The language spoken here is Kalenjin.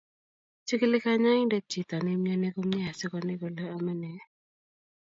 chikili kanyoindet chito ne imyoni komye asikonai kole amei ne